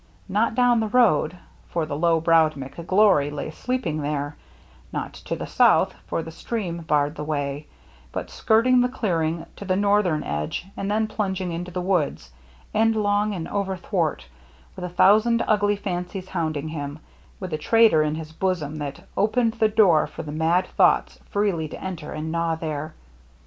Not down the road, for the low browed McGlory lay sleeping there ; not to the south, for the stream barred the way ; but skirt ing the clearing to the northern edge and then plunging into the woods, endlong and over thwart, with a thousand ugly fancies hounding him, with a traitor in his bosom that opened the door for the mad thoughts freely to enter and' gnaw there.